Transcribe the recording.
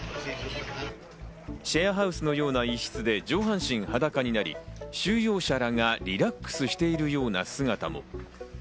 シェアハウスのような一室で上半身裸になり、収容者らがリラックスしているような姿も。